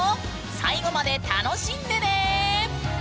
最後まで楽しんでね！